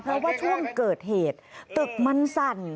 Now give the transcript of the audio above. เพราะว่าช่วงเกิดเหตุตึกมันสั่น